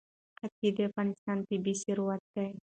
ښتې د افغانستان طبعي ثروت دی.